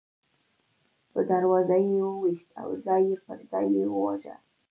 په دروازه کې یې وویشت او ځای پر ځای یې وواژه.